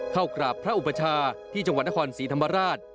เข้ากราบพระอุปชาที่จังหวัดนครศรีธรรมราช